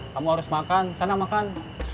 kamu harus makan sana makan